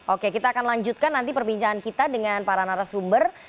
oke kita akan lanjutkan nanti perbincangan kita dengan para narasumber